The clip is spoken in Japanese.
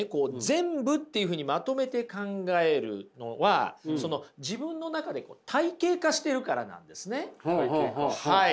全部っていうふうにまとめて考えるのは自分の中で体系化してるからなんですね。